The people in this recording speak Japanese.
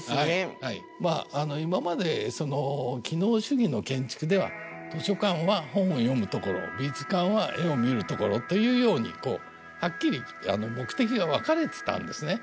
まあ今までその機能主義の建築では図書館は本を読む所美術館は絵を見る所というようにこうはっきり目的が分かれてたんですね。